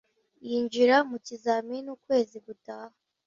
Yinjira mu kizamini ukwezi gutaha.